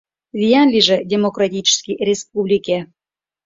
Виян лийже демократический республике!